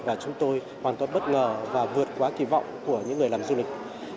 và chúng tôi hoàn toàn bất ngờ và vượt quá kỳ vọng của những người làm du lịch